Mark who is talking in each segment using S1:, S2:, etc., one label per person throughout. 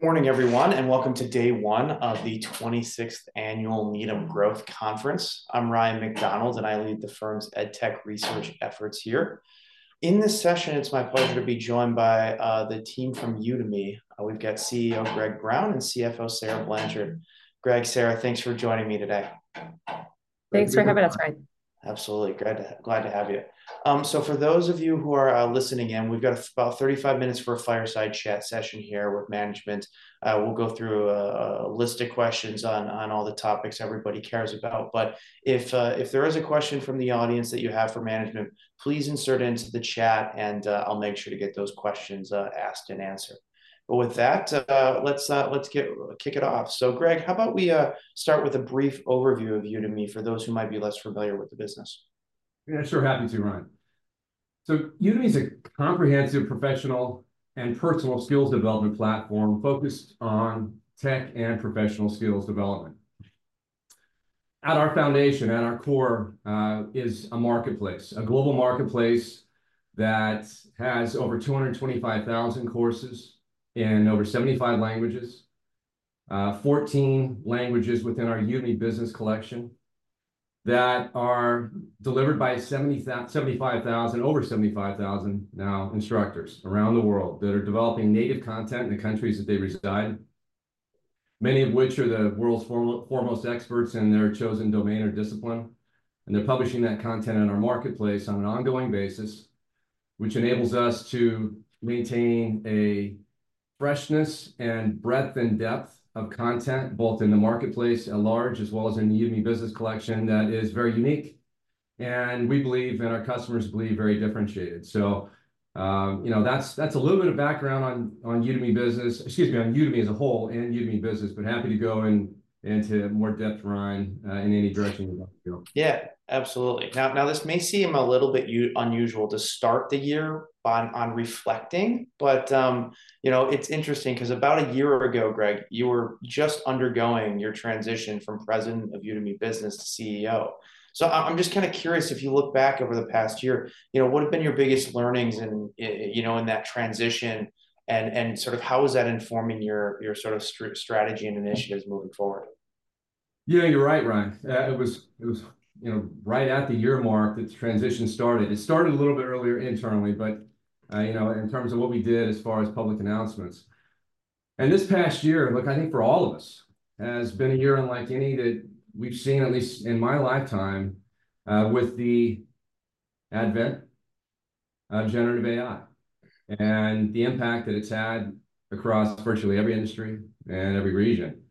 S1: Good morning, everyone, and welcome to day one of the 26th Annual Needham Growth Conference. I'm Ryan MacDonald, and I lead the firm's edtech research efforts here. In this session, it's my pleasure to be joined by the team from Udemy. We've got CEO Greg Brown and CFO Sarah Blanchard. Greg, Sarah, thanks for joining me today.
S2: Thanks for having us, Ryan.
S3: Thank you.
S1: Absolutely. Greg, glad to have you. So for those of you who are listening in, we've got about 35 minutes for a fireside chat session here with management. We'll go through a list of questions on all the topics everybody cares about. But if there is a question from the audience that you have for management, please insert it into the chat, and I'll make sure to get those questions asked and answered. But with that, let's kick it off. So, Greg, how about we start with a brief overview of Udemy for those who might be less familiar with the business?
S3: Yeah, sure. Happy to, Ryan. So Udemy is a comprehensive professional and personal skills development platform focused on tech and professional skills development. At our foundation, at our core, is a marketplace, a global marketplace that has over 225,000 courses in over 75 languages, 14 languages within our Udemy Business collection, that are delivered by over 75,000 now instructors around the world that are developing native content in the countries that they reside, many of which are the world's foremost experts in their chosen domain or discipline. And they're publishing that content on our marketplace on an ongoing basis, which enables us to maintain a freshness and breadth and depth of content, both in the marketplace at large, as well as in the Udemy Business collection. That is very unique, and we believe, and our customers believe, very differentiated. So, you know, that's a little bit of background on Udemy Business. Excuse me, on Udemy as a whole and Udemy Business, but happy to go into more depth, Ryan, in any direction you want to go.
S1: Yeah, absolutely. Now, this may seem a little bit unusual to start the year on reflecting, but, you know, it's interesting because about a year ago, Greg, you were just undergoing your transition from president of Udemy Business to CEO. So I'm just kind of curious, if you look back over the past year, you know, what have been your biggest learnings in, you know, in that transition, and sort of how is that informing your sort of strategy and initiatives moving forward?
S3: Yeah, you're right, Ryan. It was, it was, you know, right at the year mark, the transition started. It started a little bit earlier internally, but, you know, in terms of what we did as far as public announcements. This past year, look, I think for all of us, has been a year unlike any that we've seen, at least in my lifetime, with the advent of generative AI and the impact that it's had across virtually every industry and every region.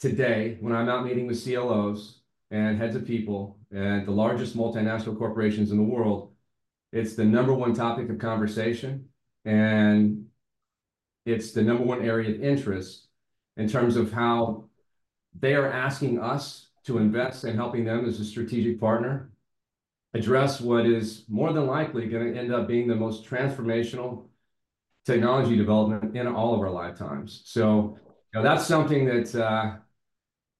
S3: Today, when I'm out meeting with CLOs and heads of people at the largest multinational corporations in the world, it's the number one topic of conversation, and it's the number one area of interest in terms of how they are asking us to invest in helping them as a strategic partner address what is more than likely going to end up being the most transformational technology development in all of our lifetimes. So, you know, that's something that,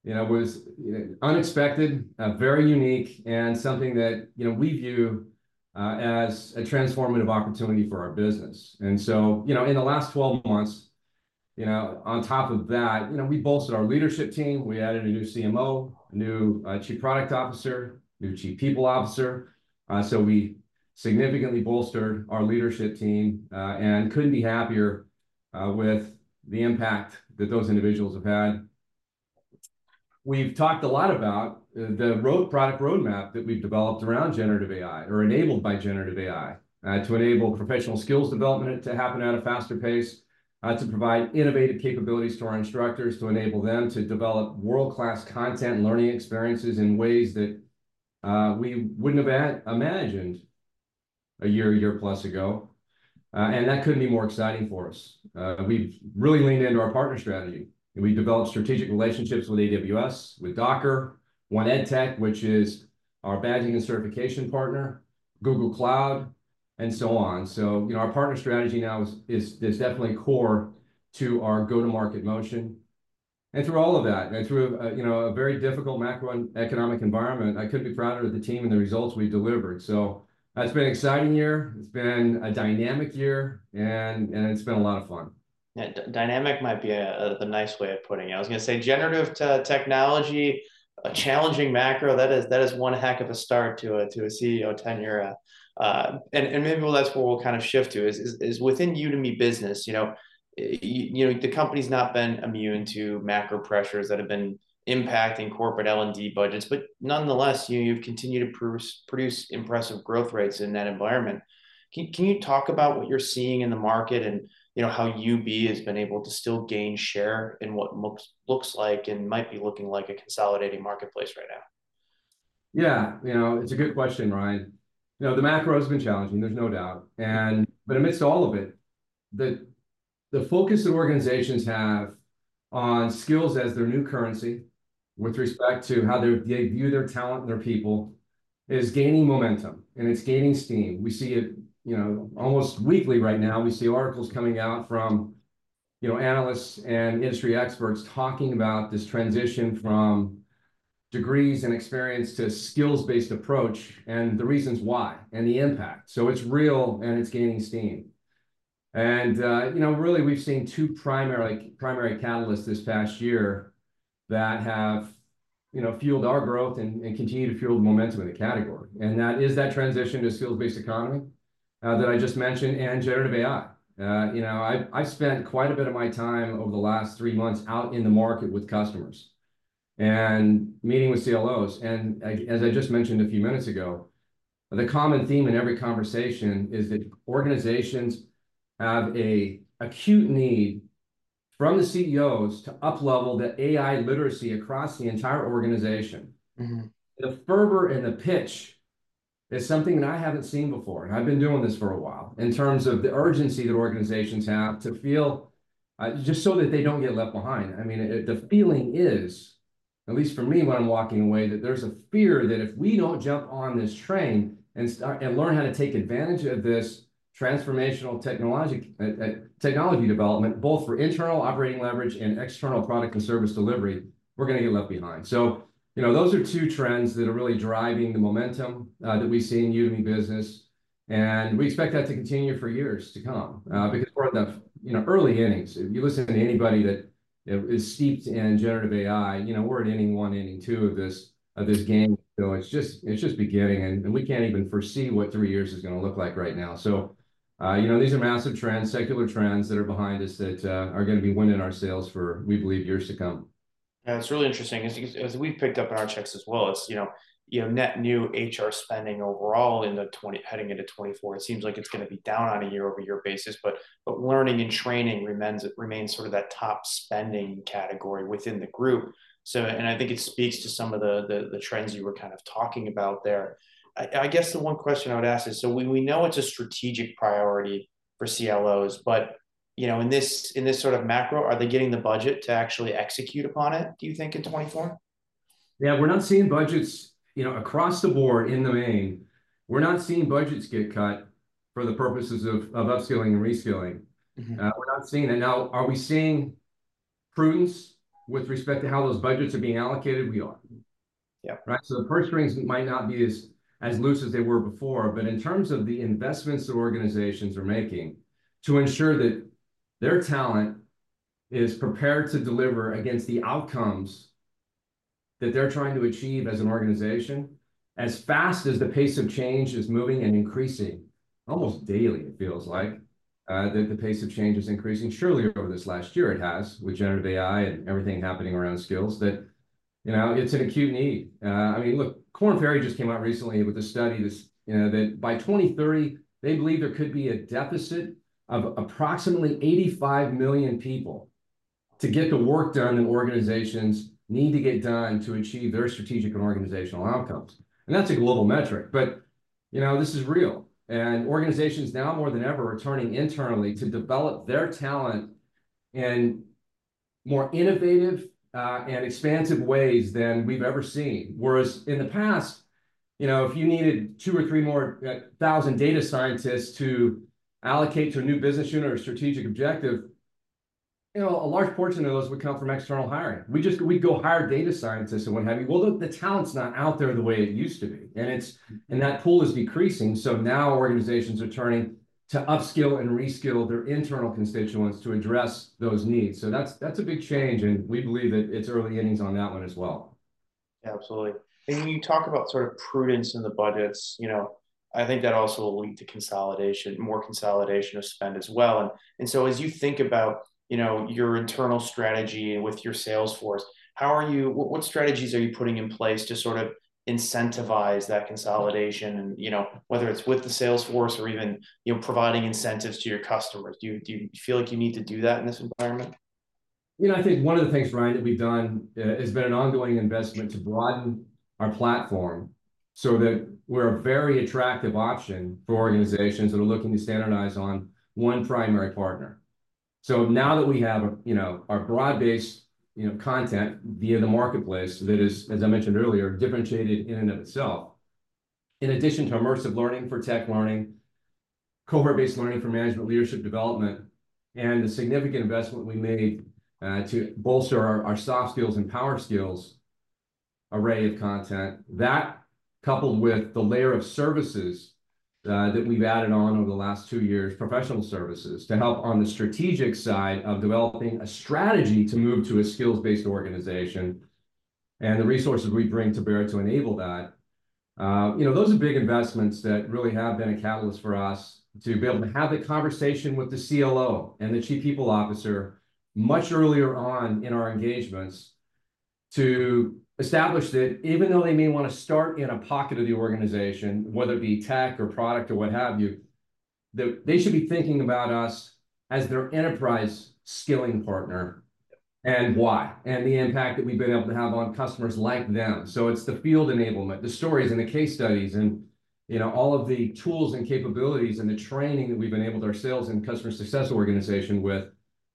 S3: you know, was, unexpected, very unique, and something that, you know, we view, as a transformative opportunity for our business. So, you know, in the last twelve months, you know, on top of that, you know, we bolstered our leadership team. We added a new CMO, a new Chief Product Officer, new Chief People Officer. So we significantly bolstered our leadership team, and couldn't be happier with the impact that those individuals have had. We've talked a lot about the product roadmap that we've developed around generative AI, or enabled by generative AI, to enable professional skills development to happen at a faster pace, to provide innovative capabilities to our instructors, to enable them to develop world-class content and learning experiences in ways that we wouldn't have had imagined a year, a year-plus ago. And that couldn't be more exciting for us. We've really leaned into our partner strategy, and we've developed strategic relationships with AWS, with Docker, 1EdTech, which is our badging and certification partner, Google Cloud, and so on. So, you know, our partner strategy now is definitely core to our go-to-market motion. Through all of that, and through a, you know, a very difficult macroeconomic environment, I couldn't be prouder of the team and the results we delivered. It's been an exciting year, it's been a dynamic year, and it's been a lot of fun.
S1: Yeah, dynamic might be the nice way of putting it. I was gonna say generative AI technology, a challenging macro, that is one heck of a start to a CEO tenure, and maybe that's where we'll kind of shift to, is within Udemy Business, you know, you know, the company's not been immune to macro pressures that have been impacting corporate L&D budgets, but nonetheless, you've continued to produce impressive growth rates in that environment. Can you talk about what you're seeing in the market and, you know, how UB has been able to still gain share in what looks like and might be looking like a consolidating marketplace right now?
S3: Yeah. You know, it's a good question, Ryan. You know, the macro has been challenging, there's no doubt. But amidst all of it, the focus that organizations have on skills as their new currency, with respect to how they view their talent and their people, is gaining momentum, and it's gaining steam. We see it, you know, almost weekly right now. We see articles coming out from, you know, analysts and industry experts talking about this transition from degrees and experience to skills-based approach, and the reasons why, and the impact. So it's real, and it's gaining steam. You know, really, we've seen two primary catalysts this past year that have, you know, fueled our growth and continue to fuel the momentum in the category. And that is that transition to skills-based economy, that I just mentioned, and generative AI. You know, I've spent quite a bit of my time over the last three months out in the market with customers and meeting with CLOs, and, like, as I just mentioned a few minutes ago, the common theme in every conversation is that organizations have an acute need from the CEOs to uplevel the AI literacy across the entire organization.
S1: Mm-hmm.
S3: The fervor and the pitch is something that I haven't seen before, and I've been doing this for a while, in terms of the urgency that organizations have to feel just so that they don't get left behind. I mean, the feeling is, at least for me when I'm walking away, that there's a fear that if we don't jump on this train and learn how to take advantage of this transformational technology development, both for internal operating leverage and external product and service delivery, we're gonna get left behind. So, you know, those are two trends that are really driving the momentum that we see in Udemy Business, and we expect that to continue for years to come because we're in the, you know, early innings. If you listen to anybody that is steeped in generative AI, you know, we're in inning one, inning two of this, of this game. So it's just, it's just beginning, and, and we can't even foresee what three years is gonna look like right now. So, you know, these are massive trends, secular trends that are behind us that are gonna be winning our sales for, we believe, years to come.
S1: Yeah, it's really interesting. As we've picked up in our checks as well, it's you know net new HR spending overall in the 20- heading into 2024, it seems like it's gonna be down on a year-over-year basis, but learning and training remains sort of that top spending category within the group. So... And I think it speaks to some of the the trends you were kind of talking about there. I guess the one question I would ask is, so we know it's a strategic priority for CLOs, but you know in this sort of macro, are they getting the budget to actually execute upon it, do you think, in 2024?
S3: Yeah, we're not seeing budgets... You know, across the board, in the main, we're not seeing budgets get cut for the purposes of, of upskilling and reskilling.
S1: Mm-hmm.
S3: We're not seeing it. Now, are we seeing prudence with respect to how those budgets are being allocated? We are.
S1: Yeah.
S3: Right? So the purse strings might not be as, as loose as they were before, but in terms of the investments that organizations are making to ensure that their talent is prepared to deliver against the outcomes that they're trying to achieve as an organization, as fast as the pace of change is moving and increasing, almost daily, it feels like, that the pace of change is increasing. Surely over this last year it has, with generative AI and everything happening around skills, that, you know, it's an acute need. I mean, look, Korn Ferry just came out recently with a study, you know, that by 2030, they believe there could be a deficit of approximately 85 million people to get the work done that organizations need to get done to achieve their strategic and organizational outcomes, and that's a global metric. But, you know, this is real, and organizations now more than ever are turning internally to develop their talent in more innovative, and expansive ways than we've ever seen. Whereas in the past, you know, if you needed two or three more thousand data scientists to allocate to a new business unit or a strategic objective, you know, a large portion of those would come from external hiring. We'd go hire data scientists and what have you. Well, the talent's not out there the way it used to be, and it's and that pool is decreasing, so now organizations are turning to upskill and reskill their internal constituents to address those needs. So that's a big change, and we believe that it's early innings on that one as well.
S1: Yeah, absolutely. And when you talk about sort of prudence in the budgets, you know, I think that also will lead to consolidation, more consolidation of spend as well. And so as you think about, you know, your internal strategy with your sales force, how are you, what strategies are you putting in place to sort of incentivize that consolidation? And, you know, whether it's with the sales force or even, you know, providing incentives to your customers. Do you, do you feel like you need to do that in this environment?
S3: You know, I think one of the things, Ryan, that we've done has been an ongoing investment to broaden our platform so that we're a very attractive option for organizations that are looking to standardize on one primary partner. So now that we have, you know, our broad-based, you know, content via the marketplace, that is, as I mentioned earlier, differentiated in and of itself, in addition to immersive learning for tech learning, cohort-based learning for management leadership development, and the significant investment we made to bolster our soft skills and power skills array of content. That, coupled with the layer of services, that we've added on over the last two years, professional services, to help on the strategic side of developing a strategy to move to a skills-based organization, and the resources we bring to bear to enable that, you know, those are big investments that really have been a catalyst for us to be able to have the conversation with the CLO and the Chief People Officer much earlier on in our engagements, to establish that even though they may wanna start in a pocket of the organization, whether it be tech or product or what have you, that they should be thinking about us as their enterprise skilling partner, and why, and the impact that we've been able to have on customers like them. So it's the field enablement, the stories, and the case studies, and, you know, all of the tools and capabilities and the training that we've enabled our sales and customer success organization with,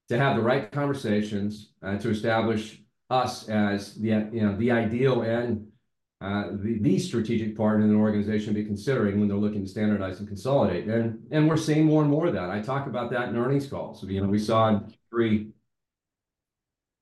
S3: to have the right conversations, to establish us as the, you know, the ideal, the strategic partner in an organization will be considering when they're looking to standardize and consolidate. And we're seeing more and more of that. I talked about that in earnings calls. You know, we saw in Q3,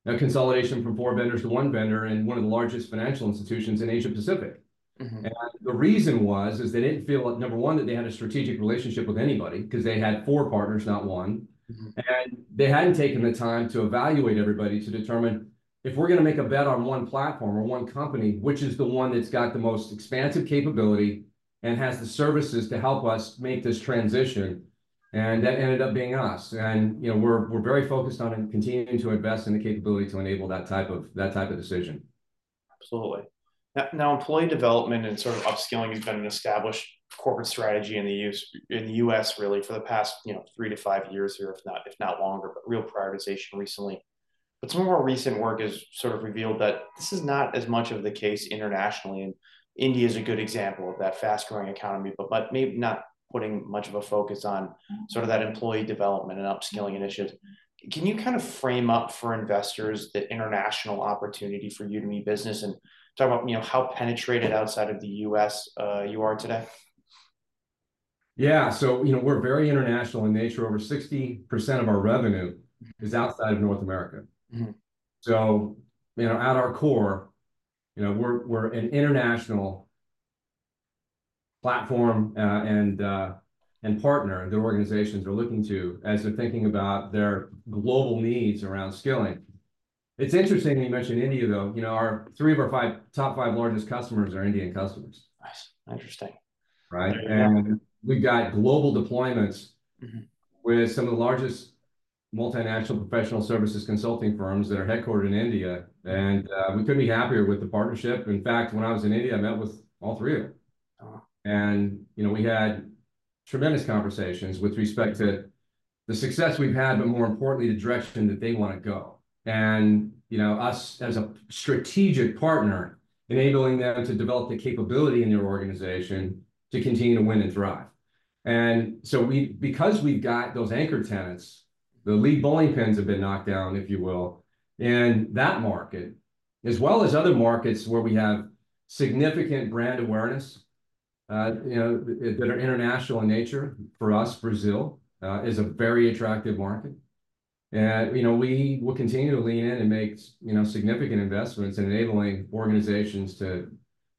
S3: a consolidation from four vendors to one vendor, and one of the largest financial institutions in Asia Pacific.
S1: Mm-hmm.
S3: The reason was they didn't feel, number one, that they had a strategic relationship with anybody, 'cause they had four partners, not one.
S1: Mm-hmm.
S3: They hadn't taken the time to evaluate everybody to determine if we're gonna make a bet on one platform or one company, which is the one that's got the most expansive capability and has the services to help us make this transition, and that ended up being us. You know, we're very focused on and continuing to invest in the capability to enable that type of decision.
S1: Absolutely. Now, employee development and sort of upskilling has been an established corporate strategy in the U.S., in the U.S. really for the past, you know, 3-5 years here, if not, if not longer, but real prioritization recently. But some more recent work has sort of revealed that this is not as much of the case internationally, and India is a good example of that fast-growing economy. But maybe not putting much of a focus on-
S3: Mm-hmm...
S1: sort of that employee development and upskilling initiatives. Can you kind of frame up for investors the international opportunity for Udemy Business and talk about, you know, how penetrated outside of the U.S. you are today?
S3: Yeah. So, you know, we're very international in nature. Over 60% of our revenue-
S1: Mm...
S3: is outside of North America.
S1: Mm-hmm.
S3: So, you know, at our core, you know, we're an international platform and partner that organizations are looking to as they're thinking about their global needs around skilling. It's interesting that you mentioned India, though. You know, 3 of our top 5 largest customers are Indian customers.
S1: Nice. Interesting.
S3: Right?
S1: Yeah.
S3: We've got global deployments.
S1: Mm-hmm...
S3: with some of the largest multinational professional services consulting firms that are headquartered in India. And we couldn't be happier with the partnership. In fact, when I was in India, I met with all three of them.
S1: Oh.
S3: You know, we had tremendous conversations with respect to the success we've had, but more importantly, the direction that they want to go. You know, us, as a strategic partner, enabling them to develop the capability in their organization to continue to win and thrive. And so because we've got those anchor tenants, the lead bowling pins have been knocked down, if you will, in that market, as well as other markets where we have significant brand awareness, you know, that are international in nature. For us, Brazil is a very attractive market. You know, we will continue to lean in and make, you know, significant investments in enabling organizations to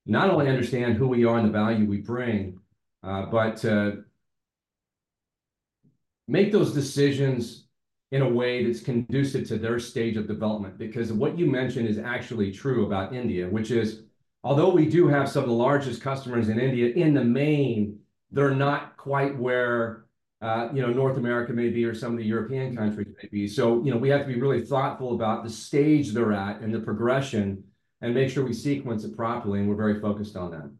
S3: not only understand who we are and the value we bring, but to make those decisions in a way that's conducive to their stage of development. Because what you mentioned is actually true about India, which is, although we do have some of the largest customers in India, in the main, they're not quite where, you know, North America may be or some of the European countries may be.
S1: Mm.
S3: You know, we have to be really thoughtful about the stage they're at and the progression, and make sure we sequence it properly, and we're very focused on that.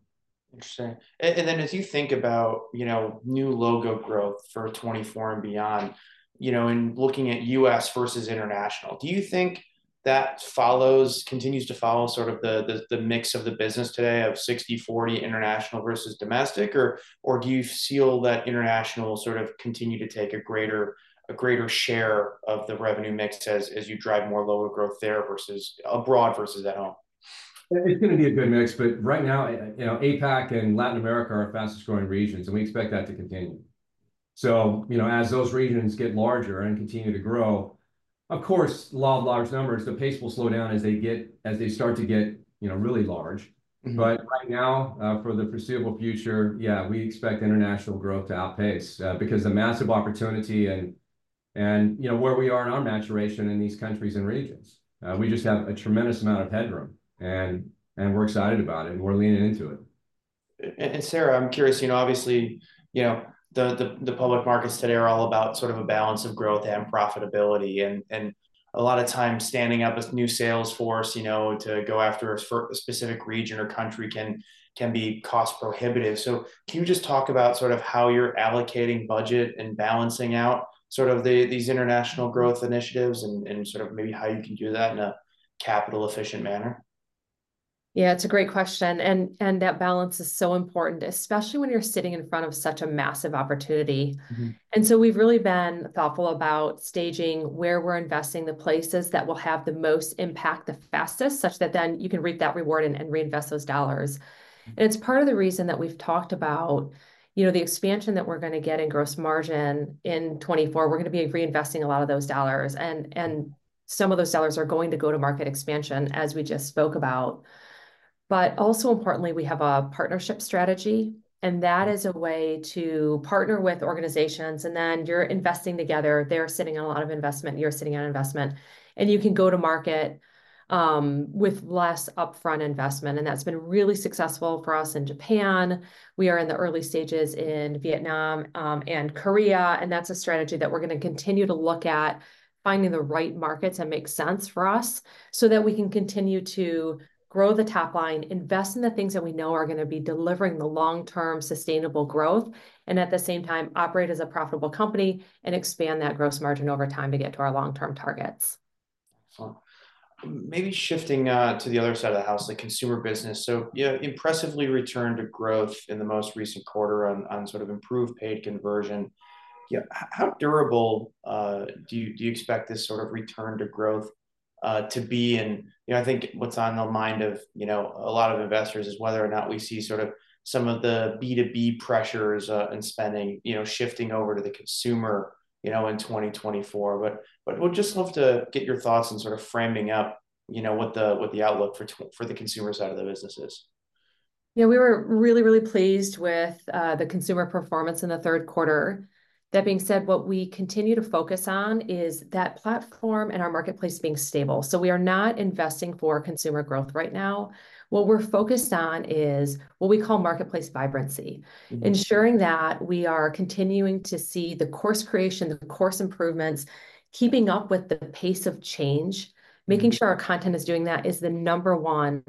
S1: Interesting. And then as you think about, you know, new logo growth for 2024 and beyond, you know, in looking at U.S. versus international, do you think that follows, continues to follow sort of the mix of the business today of 60/40 international versus domestic, or do you feel that international sort of continue to take a greater share of the revenue mix as you drive more lower growth there versus abroad versus at home?
S3: It's gonna be a good mix, but right now, you know, APAC and Latin America are our fastest growing regions, and we expect that to continue. So, you know, as those regions get larger and continue to grow, of course, law of large numbers, the pace will slow down as they start to get, you know, really large.
S1: Mm-hmm.
S3: But right now, for the foreseeable future, yeah, we expect international growth to outpace. Because the massive opportunity and you know, where we are in our maturation in these countries and regions. We just have a tremendous amount of headroom, and we're excited about it, and we're leaning into it.
S1: Sarah, I'm curious, you know, obviously, you know, the public markets today are all about sort of a balance of growth and profitability, and a lot of times standing up a new sales force, you know, to go after a specific region or country can be cost prohibitive. So can you just talk about sort of how you're allocating budget and balancing out sort of these international growth initiatives, and sort of maybe how you can do that in a capital efficient manner?
S2: Yeah, it's a great question, and that balance is so important, especially when you're sitting in front of such a massive opportunity.
S1: Mm-hmm.
S2: And so we've really been thoughtful about staging where we're investing, the places that will have the most impact, the fastest, such that then you can reap that reward and reinvest those dollars. And it's part of the reason that we've talked about, you know, the expansion that we're gonna get in gross margin in 2024. We're gonna be reinvesting a lot of those dollars, and some of those dollars are going to market expansion, as we just spoke about. But also importantly, we have a partnership strategy, and that is a way to partner with organizations, and then you're investing together. They're sitting on a lot of investment, you're sitting on investment, and you can go to market with less upfront investment, and that's been really successful for us in Japan. We are in the early stages in Vietnam, and Korea, and that's a strategy that we're gonna continue to look at, finding the right markets that make sense for us, so that we can continue to grow the top line, invest in the things that we know are gonna be delivering the long-term sustainable growth, and at the same time, operate as a profitable company and expand that gross margin over time to get to our long-term targets.
S1: So maybe shifting to the other side of the house, the consumer business. So, you know, impressively returned to growth in the most recent quarter on sort of improved paid conversion. Yeah, how durable do you expect this sort of return to growth to be in, you know, I think what's on the mind of, you know, a lot of investors is whether or not we see sort of some of the B2B pressures in spending, you know, shifting over to the consumer, you know, in 2024. But would just love to get your thoughts on sort of framing up, you know, what the outlook for the consumer side of the business is.
S2: Yeah, we were really, really pleased with the consumer performance in the third quarter. That being said, what we continue to focus on is that platform and our marketplace being stable, so we are not investing for consumer growth right now. What we're focused on is what we call marketplace vibrancy-
S1: Mm-hmm.
S2: Ensuring that we are continuing to see the course creation, the course improvements, keeping up with the pace of change. Making sure our content is doing that is the number one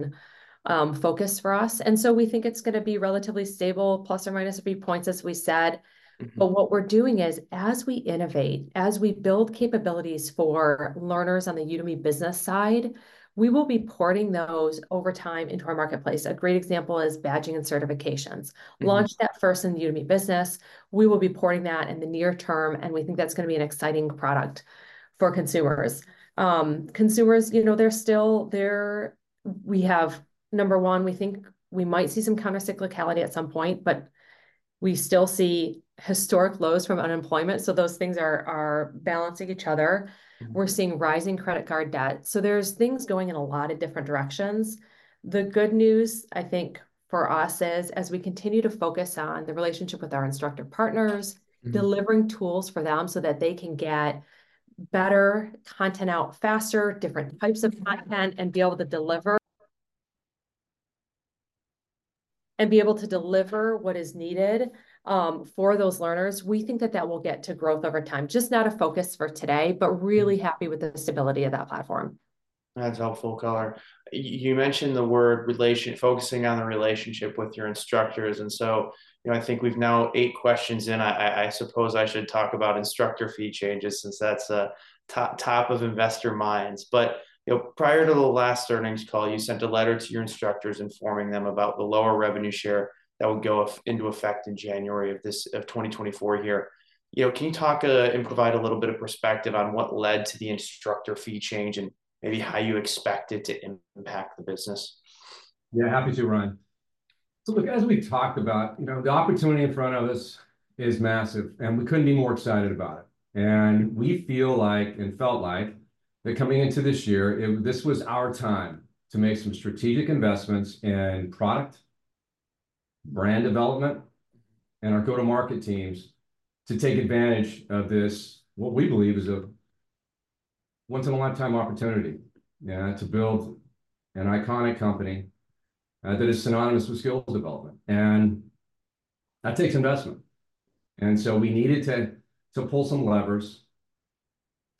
S2: focus for us, and so we think it's gonna be relatively stable, plus or minus a few points, as we said.
S1: Mm-hmm.
S2: But what we're doing is, as we innovate, as we build capabilities for learners on the Udemy Business side, we will be porting those over time into our marketplace. A great example is badging and certifications.
S1: Mm-hmm.
S2: Launched that first in the Udemy Business. We will be porting that in the near term, and we think that's gonna be an exciting product for consumers. Consumers, you know, they're still... We have, number one, we think we might see some countercyclicality at some point, but we still see historic lows from unemployment, so those things are balancing each other.
S1: Mm-hmm.
S2: We're seeing rising credit card debt, so there's things going in a lot of different directions. The good news, I think, for us, is as we continue to focus on the relationship with our instructor partners-
S1: Mm-hmm...
S2: delivering tools for them so that they can get better content out faster, different types of content, and be able to deliver, and be able to deliver what is needed, for those learners, we think that that will get to growth over time. Just not a focus for today, but really happy with the stability of that platform.
S1: That's helpful color. You mentioned the word relationship, focusing on the relationship with your instructors, and so, you know, I think we've now 8 questions in. I suppose I should talk about instructor fee changes, since that's a top, top of investor minds. But, you know, prior to the last earnings call, you sent a letter to your instructors informing them about the lower revenue share that would go into effect in January of 2024. You know, can you talk and provide a little bit of perspective on what led to the instructor fee change, and maybe how you expect it to impact the business?
S3: Yeah, happy to, Ryan. So look, as we talked about, you know, the opportunity in front of us is massive, and we couldn't be more excited about it. We feel like, and felt like, that coming into this year, this was our time to make some strategic investments in product, brand development, and our go-to-market teams to take advantage of this, what we believe is a once in a lifetime opportunity, yeah, to build an iconic company that is synonymous with skills development. That takes investment, and so we needed to pull some levers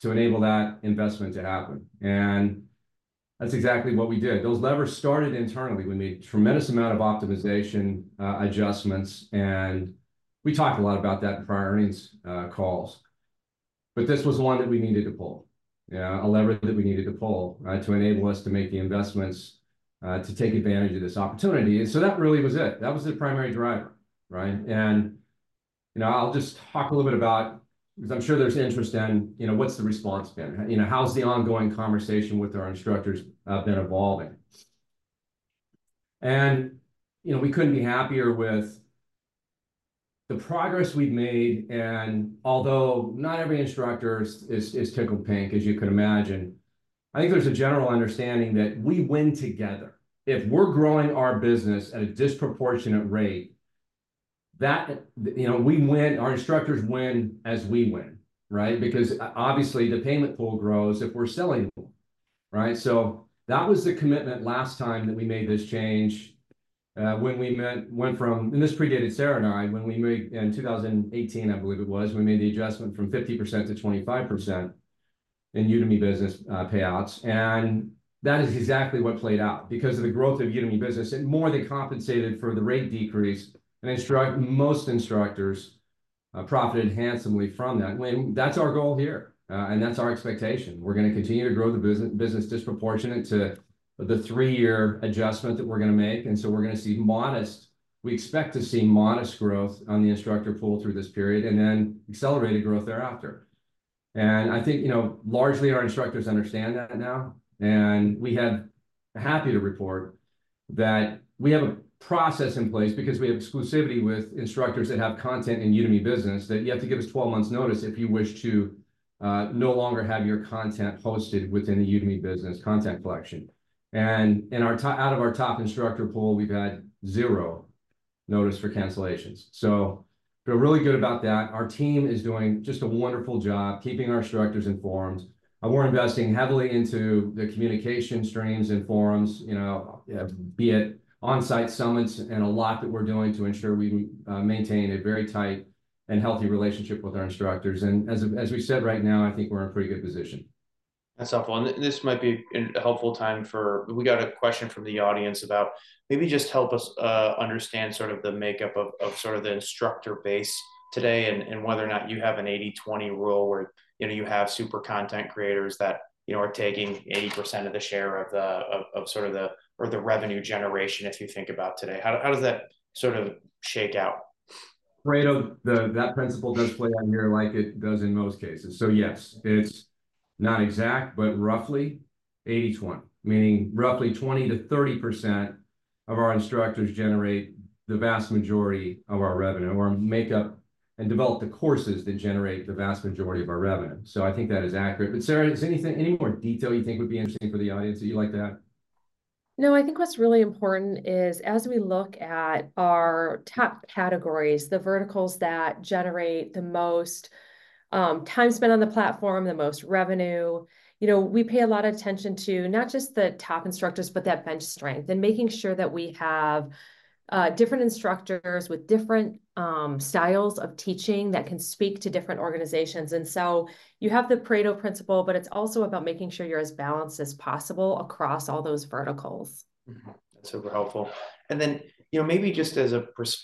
S3: to enable that investment to happen, and that's exactly what we did. Those levers started internally with a tremendous amount of optimization, adjustments, and we talked a lot about that in prior earnings calls. But this was one that we needed to pull, yeah, a lever that we needed to pull, right, to enable us to make the investments, to take advantage of this opportunity. And so that really was it. That was the primary driver, right? And, you know, I'll just talk a little bit about... Because I'm sure there's interest in, you know, what's the response been? You know, how's the ongoing conversation with our instructors, been evolving? And, you know, we couldn't be happier with the progress we've made, and although not every instructor is tickled pink, as you can imagine, I think there's a general understanding that we win together. If we're growing our business at a disproportionate rate, that, you know, we win, our instructors win as we win, right? Because obviously, the payment pool grows if we're selling, right? So that was the commitment last time that we made this change, when we went from... And this predated Sarah and I. When we made, in 2018, I believe it was, we made the adjustment from 50% to 25% in Udemy Business payouts, and that is exactly what played out. Because of the growth of Udemy Business, it more than compensated for the rate decrease, and most instructors profited handsomely from that. And that's our goal here, and that's our expectation. We're gonna continue to grow the business disproportionate to the three-year adjustment that we're gonna make, and so we're gonna see modest—we expect to see modest growth on the instructor pool through this period, and then accelerated growth thereafter. And I think, you know, largely, our instructors understand that now, and happy to report that we have a process in place. Because we have exclusivity with instructors that have content in Udemy Business, that you have to give us 12 months' notice if you wish to no longer have your content hosted within the Udemy Business content collection. And out of our top instructor pool, we've had zero notice for cancellations, so feel really good about that. Our team is doing just a wonderful job keeping our instructors informed, and we're investing heavily into the communication streams and forums, you know, be it on-site summits and a lot that we're doing to ensure we maintain a very tight and healthy relationship with our instructors. And as we said, right now, I think we're in a pretty good position.
S1: That's helpful, and this might be in a helpful time for... We got a question from the audience about maybe just help us understand sort of the makeup of sort of the instructor base today, and whether or not you have an 80/20 rule, where, you know, you have super content creators that, you know, are taking 80% of the share of the revenue generation, if you think about today. How does that sort of shake out?...
S3: Pareto, that principle does play out here like it does in most cases. So yes, it's not exact, but roughly 80/20, meaning roughly 20%-30% of our instructors generate the vast majority of our revenue or make up and develop the courses that generate the vast majority of our revenue. So I think that is accurate. But Sarah, is anything, any more detail you think would be interesting for the audience that you'd like to add?
S2: No, I think what's really important is as we look at our top categories, the verticals that generate the most time spent on the platform, the most revenue, you know, we pay a lot of attention to not just the top instructors, but that bench strength and making sure that we have different instructors with different styles of teaching that can speak to different organizations. And so you have the Pareto principle, but it's also about making sure you're as balanced as possible across all those verticals.
S1: Mm-hmm. That's super helpful. And then, you know, maybe just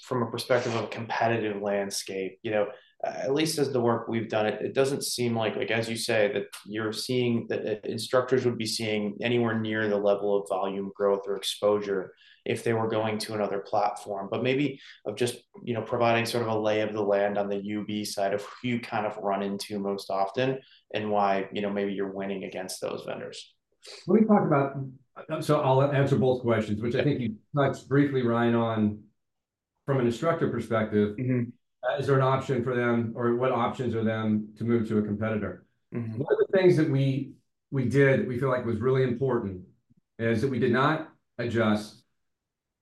S1: from a perspective of competitive landscape, you know, at least as the work we've done, it doesn't seem like, as you say, that you're seeing... That instructors would be seeing anywhere near the level of volume growth or exposure if they were going to another platform. But maybe of just, you know, providing sort of a lay of the land on the UB side, of who you kind of run into most often and why, you know, maybe you're winning against those vendors.
S3: Let me talk about... So I'll answer both questions, which I think you touched briefly, Ryan, on from an instructor perspective.
S1: Mm-hmm.
S3: Is there an option for them or what options are there to move to a competitor?
S1: Mm-hmm.
S3: One of the things that we, we did, we feel like was really important, is that we did not adjust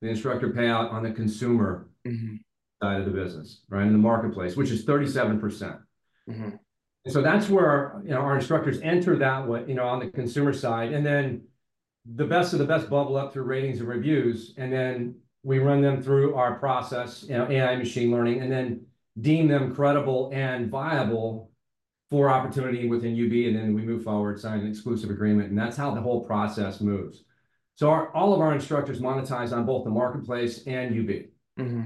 S3: the instructor payout on the consumer-
S1: Mm-hmm...
S3: side of the business, right? In the marketplace, which is 37%.
S1: Mm-hmm.
S3: And so that's where, you know, our instructors enter that way, you know, on the consumer side, and then the best of the best bubble up through ratings and reviews, and then we run them through our process, you know, AI, machine learning, and then deem them credible and viable for opportunity within UB, and then we move forward, sign an exclusive agreement, and that's how the whole process moves. So, all of our instructors monetize on both the marketplace and UB.
S1: Mm-hmm.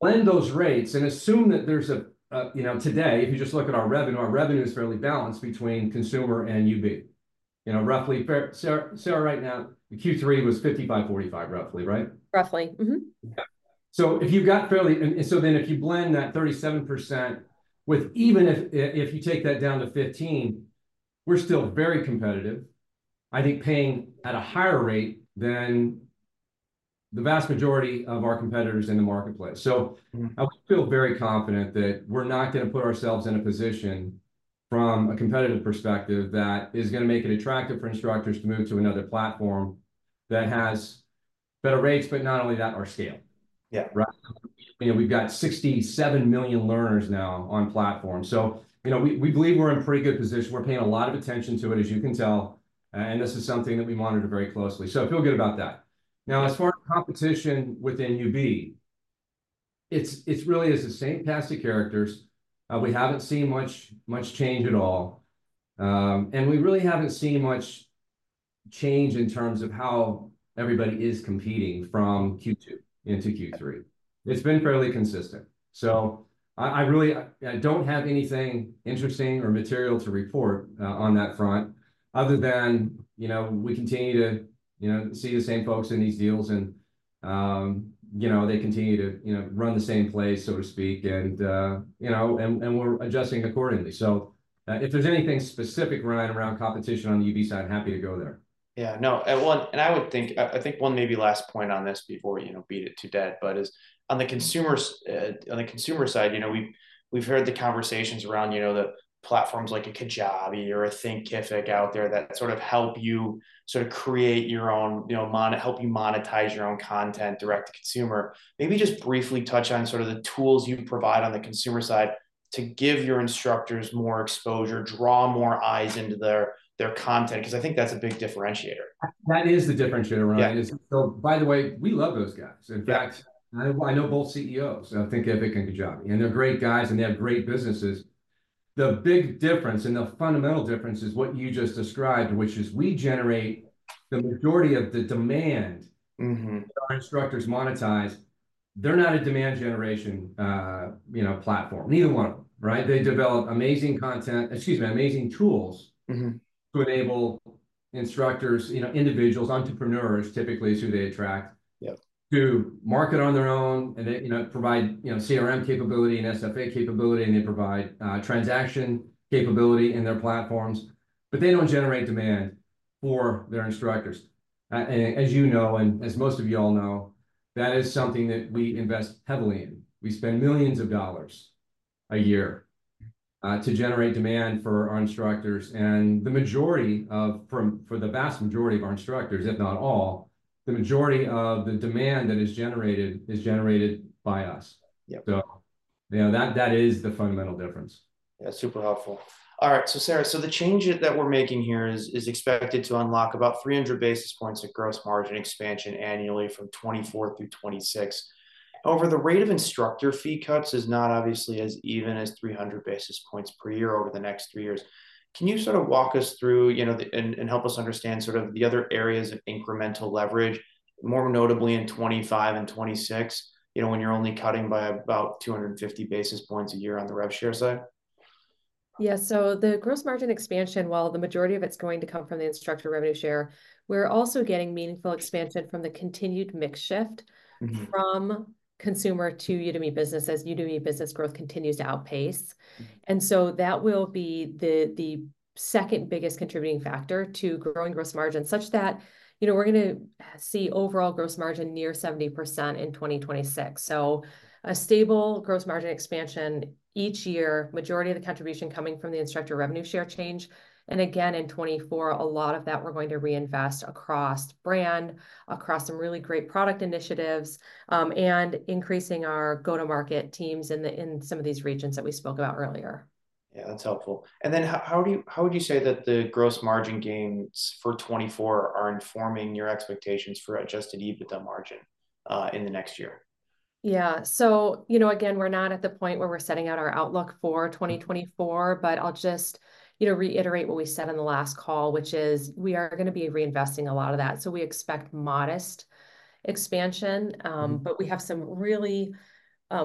S3: Blend those rates and assume that there's a you know... Today, if you just look at our revenue, our revenue is fairly balanced between consumer and UB. You know, roughly fair, Sarah, right now, the Q3 was 55/45, roughly, right?
S2: Roughly. Mm-hmm.
S3: Okay. So if you've got, and so then if you blend that 37% with even if you take that down to 15, we're still very competitive, I think, paying at a higher rate than the vast majority of our competitors in the marketplace. So-
S1: Mm-hmm...
S3: I feel very confident that we're not gonna put ourselves in a position from a competitive perspective that is gonna make it attractive for instructors to move to another platform that has better rates, but not only that, our scale.
S1: Yeah.
S3: Right? You know, we've got 67 million learners now on platform. So, you know, we believe we're in pretty good position. We're paying a lot of attention to it, as you can tell, and this is something that we monitor very closely, so I feel good about that. Now, as far as competition within UB, it's really the same cast of characters. We haven't seen much change at all, and we really haven't seen much change in terms of how everybody is competing from Q2 into Q3. It's been fairly consistent. So, I really don't have anything interesting or material to report on that front other than, you know, we continue to, you know, see the same folks in these deals, and, you know, they continue to, you know, run the same play, so to speak, and we're adjusting accordingly. So, if there's anything specific, Ryan, around competition on the UB side, happy to go there.
S1: Yeah, no, and I would think... I think one maybe last point on this before, you know, beat it to death, but is on the consumer side, you know, we've heard the conversations around, you know, the platforms like a Kajabi or a Thinkific out there that sort of help you sort of create your own, you know, help you monetize your own content, direct to consumer. Maybe just briefly touch on sort of the tools you provide on the consumer side to give your instructors more exposure, draw more eyes into their content, 'cause I think that's a big differentiator.
S3: That is the differentiator, Ryan.
S1: Yeah.
S3: By the way, we love those guys.
S1: Yeah.
S3: In fact, I know both CEOs of Thinkific and Kajabi, and they're great guys, and they have great businesses. The big difference, and the fundamental difference is what you just described, which is we generate the majority of the demand-
S1: Mm-hmm...
S3: that our instructors monetize. They're not a demand generation, you know, platform. Neither one of them, right? They develop amazing content... Excuse me, amazing tools-
S1: Mm-hmm...
S3: to enable instructors, you know, individuals, entrepreneurs, typically is who they attract-
S1: Yeah...
S3: to market on their own, and they, you know, provide, you know, CRM capability and SFA capability, and they provide transaction capability in their platforms, but they don't generate demand for their instructors. And as you know, and as most of you all know, that is something that we invest heavily in. We spend $ millions a year to generate demand for our instructors, and the majority of, for the vast majority of our instructors, if not all, the majority of the demand that is generated is generated by us.
S1: Yeah.
S3: You know, that, that is the fundamental difference.
S1: Yeah, super helpful. All right, so Sarah, so the change that we're making here is expected to unlock about 300 basis points of gross margin expansion annually from 2024 through 2026. However, the rate of instructor fee cuts is not obviously as even as 300 basis points per year over the next three years. Can you sort of walk us through, you know, and help us understand sort of the other areas of incremental leverage, more notably in 2025 and 2026, you know, when you're only cutting by about 250 basis points a year on the rev share side?...
S2: Yeah, so the Gross margin expansion, while the majority of it's going to come from the instructor revenue share, we're also getting meaningful expansion from the continued mix shift-
S1: Mm-hmm.
S2: from consumer to Udemy Business, as Udemy Business growth continues to outpace. And so that will be the second biggest contributing factor to growing gross margin, such that, you know, we're gonna see overall gross margin near 70% in 2026. So a stable gross margin expansion each year, majority of the contribution coming from the instructor revenue share change. And again, in 2024, a lot of that we're going to reinvest across brand, across some really great product initiatives, and increasing our go-to-market teams in some of these regions that we spoke about earlier.
S1: Yeah, that's helpful. And then how would you say that the gross margin gains for 2024 are informing your expectations for Adjusted EBITDA margin in the next year?
S2: Yeah. So, you know, again, we're not at the point where we're setting out our outlook for 2024, but I'll just, you know, reiterate what we said on the last call, which is we are gonna be reinvesting a lot of that. So we expect modest expansion. But we have some really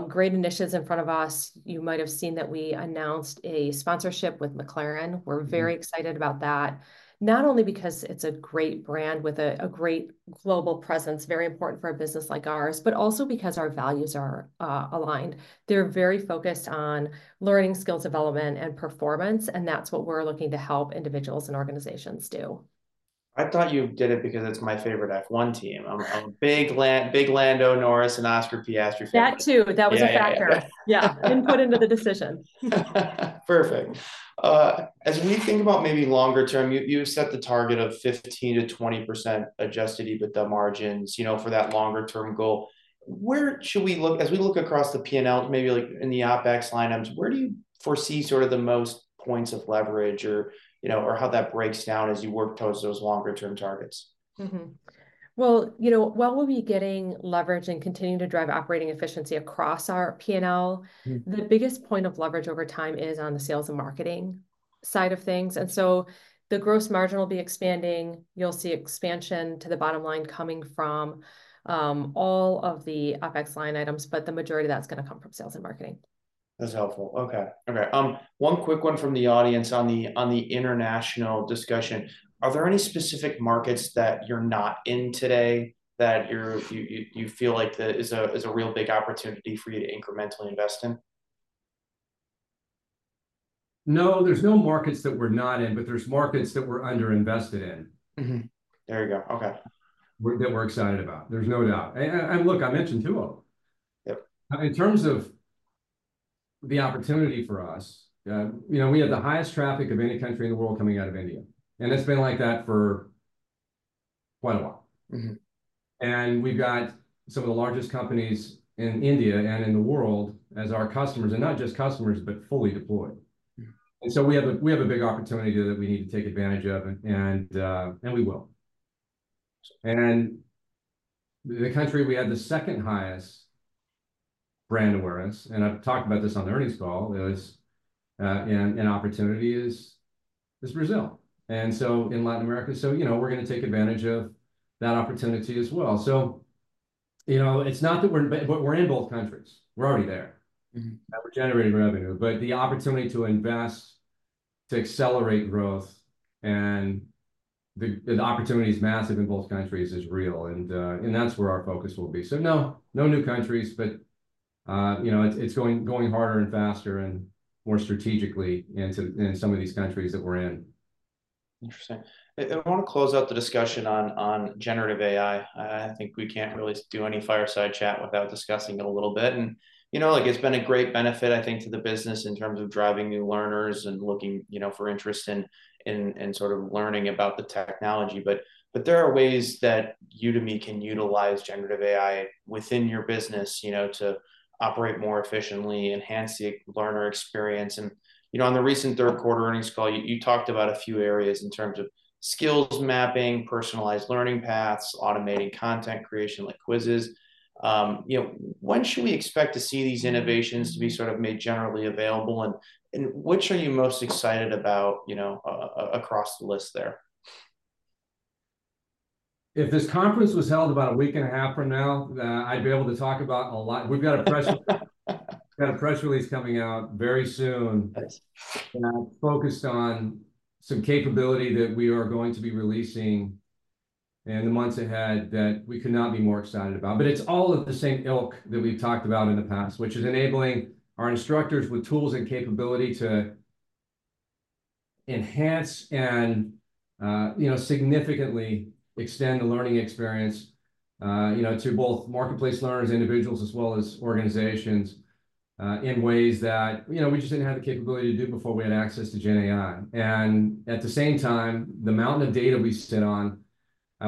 S2: great initiatives in front of us. You might have seen that we announced a sponsorship with McLaren.
S1: Mm-hmm.
S2: We're very excited about that, not only because it's a great brand with a great global presence, very important for a business like ours, but also because our values are aligned. They're very focused on learning, skill development, and performance, and that's what we're looking to help individuals and organizations do.
S1: I thought you did it because it's my favorite F1 team. I'm a big Lando Norris and Oscar Piastri fan.
S2: That too.
S1: Yeah, yeah.
S2: That was a factor. Yeah, input into the decision.
S1: Perfect. As we think about maybe longer term, you, you set the target of 15%-20% Adjusted EBITDA margins, you know, for that longer term goal. Where should we look, as we look across the P&L, maybe like in the OpEx line items, where do you foresee sort of the most points of leverage or, you know, or how that breaks down as you work towards those longer term targets?
S2: Mm-hmm. Well, you know, while we'll be getting leverage and continuing to drive operating efficiency across our P&L-
S1: Mm-hmm...
S2: the biggest point of leverage over time is on the sales and marketing side of things, and so the gross margin will be expanding. You'll see expansion to the bottom line coming from all of the OpEx line items, but the majority of that's gonna come from sales and marketing.
S1: That's helpful. Okay. Okay, one quick one from the audience on the international discussion: Are there any specific markets that you're not in today that you feel like there is a real big opportunity for you to incrementally invest in?
S3: No, there's no markets that we're not in, but there's markets that we're underinvested in.
S1: Mm-hmm. There you go. Okay.
S3: That we're excited about, there's no doubt. And look, I mentioned two of them.
S1: Yep.
S3: In terms of the opportunity for us, you know, we have the highest traffic of any country in the world coming out of India, and it's been like that for quite a while.
S1: Mm-hmm.
S3: We've got some of the largest companies in India and in the world as our customers, and not just customers, but fully deployed.
S1: Mm-hmm.
S3: And so we have a big opportunity here that we need to take advantage of, and we will. The country we had the second highest brand awareness, and I've talked about this on the earnings call, is Brazil, and so the opportunity is in Latin America. So, you know, we're gonna take advantage of that opportunity as well. So, you know, it's not that we're in, but we're in both countries, we're already there-
S1: Mm-hmm...
S3: and we're generating revenue. But the opportunity to invest, to accelerate growth, and the opportunity is massive in both countries, is real, and that's where our focus will be. So no, no new countries but, you know, it's going harder and faster and more strategically in some of these countries that we're in.
S1: Interesting. I, I wanna close out the discussion on, on Generative AI. I think we can't really do any fireside chat without discussing it a little bit. And, you know, like, it's been a great benefit, I think, to the business in terms of driving new learners and looking, you know, for interest in, in, in sort of learning about the technology. But, but there are ways that Udemy can utilize Generative AI within your business, you know, to operate more efficiently, enhance the learner experience. And, you know, on the recent third quarter earnings call, you, you talked about a few areas in terms of skills mapping, personalized learning paths, automating content creation, like quizzes. You know, when should we expect to see these innovations to be sort of made generally available? And, and which are you most excited about, you know, a-a-across the list there?
S3: If this conference was held about a week and a half from now, I'd be able to talk about a lot. We've got a press release coming out very soon.
S1: Nice...
S3: focused on some capability that we are going to be releasing in the months ahead that we could not be more excited about. But it's all of the same ilk that we've talked about in the past, which is enabling our instructors with tools and capability to enhance and, you know, significantly extend the learning experience, you know, to both marketplace learners, individuals, as well as organizations, in ways that, you know, we just didn't have the capability to do before we had access to GenAI. And at the same time, the mountain of data we sit on,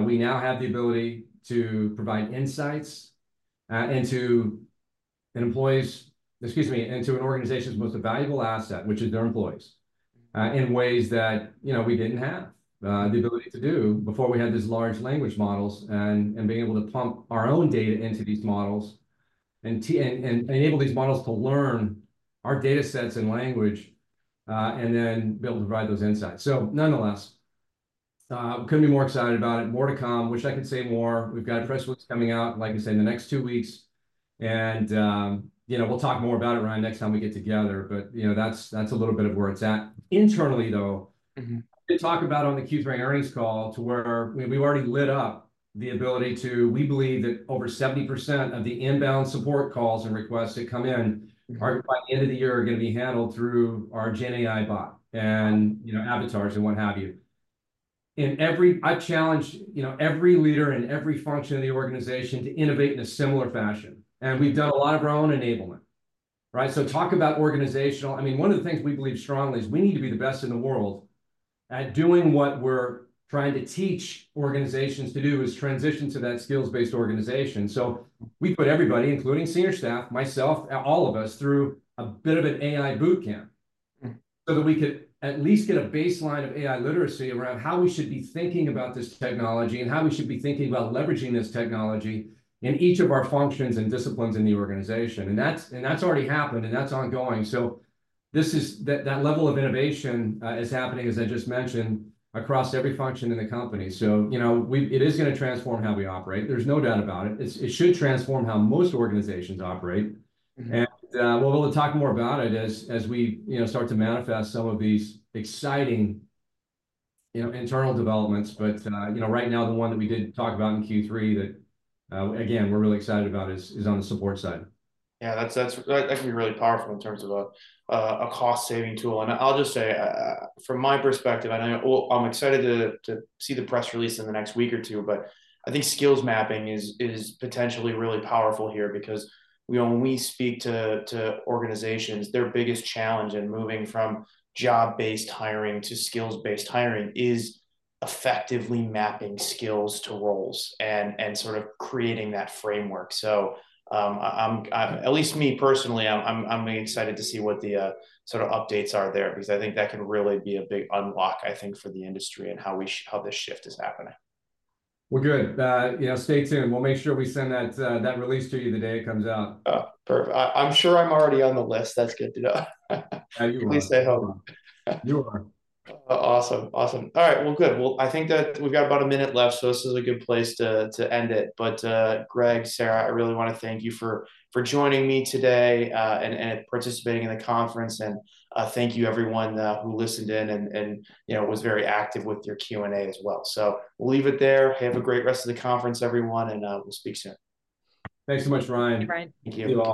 S3: we now have the ability to provide insights into employees... Excuse me, into an organization's most valuable asset, which is their employees, in ways that, you know, we didn't have the ability to do before we had these large language models, and being able to pump our own data into these models, and enable these models to learn our datasets and language, and then be able to provide those insights. So nonetheless, couldn't be more excited about it. More to come. Wish I could say more. We've got press releases coming out, like I said, in the next two weeks, and, you know, we'll talk more about it around next time we get together, but, you know, that's a little bit of where it's at. Internally, though-
S1: Mm-hmm.
S3: I did talk about on the Q3 earnings call to where we've already lit up the ability to. We believe that over 70% of the inbound support calls and requests that come in-
S1: Mm-hmm...
S3: are, by the end of the year, are gonna be handled through our GenAI bot and, you know, avatars and what have you. In every—I've challenged, you know, every leader in every function of the organization to innovate in a similar fashion, and we've done a lot of our own enablement, right? So talk about organizational—I mean, one of the things we believe strongly is we need to be the best in the world at doing what we're trying to teach organizations to do, is transition to that skills-based organization. So we put everybody, including senior staff, myself, all of us, through a bit of an AI boot camp-
S1: Mm...
S3: so that we could at least get a baseline of AI literacy around how we should be thinking about this technology and how we should be thinking about leveraging this technology in each of our functions and disciplines in the organization. And that's already happened, and that's ongoing. So that level of innovation is happening, as I just mentioned, across every function in the company. So, you know, it is gonna transform how we operate. There's no doubt about it. It should transform how most organizations operate.
S1: Mm-hmm.
S3: Well, we'll talk more about it as we, you know, start to manifest some of these exciting, you know, internal developments. But, you know, right now, the one that we did talk about in Q3, that again, we're really excited about, is on the support side.
S1: Yeah, that's, that can be really powerful in terms of a cost-saving tool. I'll just say from my perspective, well, I'm excited to see the press release in the next week or two, but I think skills mapping is potentially really powerful here because we, when we speak to organizations, their biggest challenge in moving from job-based hiring to skills-based hiring is effectively mapping skills to roles and sort of creating that framework. So, at least me, personally, I'm excited to see what the sort of updates are there, because I think that can really be a big unlock, I think, for the industry and how this shift is happening.
S3: Well, good. You know, stay tuned. We'll make sure we send that, that release to you the day it comes out.
S1: Oh, perfect. I, I'm sure I'm already on the list. That's good to know.
S3: You are.
S1: At least I hope.
S3: You are.
S1: Awesome. Awesome. All right, well, good. Well, I think that we've got about a minute left, so this is a good place to end it. But, Greg, Sarah, I really wanna thank you for joining me today and participating in the conference. Thank you, everyone, who listened in and you know was very active with your Q&A as well. So we'll leave it there. Have a great rest of the conference, everyone, and we'll speak soon.
S3: Thanks so much, Ryan.
S2: Thanks, Ryan.
S1: Thank you.
S3: See you later.